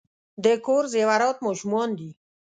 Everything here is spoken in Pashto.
د کور زیورات ماشومان دي .